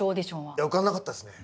いや受からなかったですね